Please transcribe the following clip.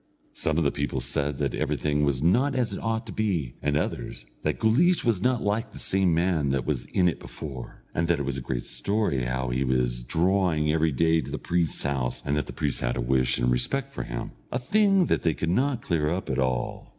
Some of the people said that everything was not as it ought to be, and others, that Guleesh was not like the same man that was in it before, and that it was a great story, how he was drawing every day to the priest's house, and that the priest had a wish and a respect for him, a thing they could not clear up at all.